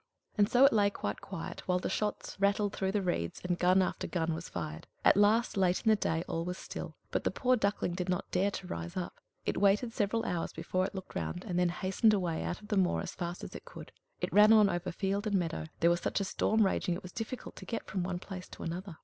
And so it lay quite quiet, while the shots rattled through the reeds and gun after gun was fired. At last, late in the day, all was still; but the poor Duckling did not dare to rise up; it waited several hours before it looked round, and then hastened away out of the moor as fast as it could. It ran on over field and meadow; there was such a storm raging that it was difficult to get from one place to another.